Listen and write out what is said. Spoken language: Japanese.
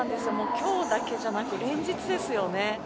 今日だけじゃなく連日ですよね。